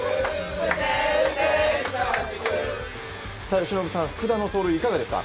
由伸さん、福田の走塁はいかがですか？